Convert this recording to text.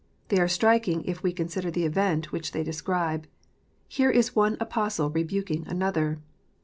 They are striking, if we consider the event which they describe : here is one Apostle rebuking another